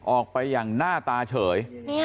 ออกไปอย่างหน้าตาเฉย